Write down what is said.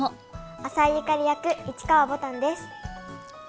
浅井紫役、市川ぼたんです。